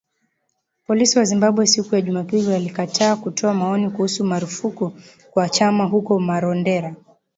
Polisi wa Zimbabwe, siku ya Jumapili walikataa kutoa maoni kuhusu marufuku kwa chama huko Marondera